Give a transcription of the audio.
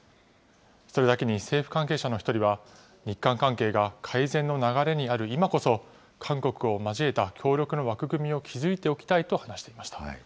それだけに政府関係者の１人は、日韓関係が改善の流れにある今こそ、韓国を交えた協力の枠組みを築いておきたいと話していました。